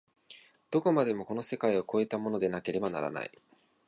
どこまでもこの世界を越えたものでなければならない。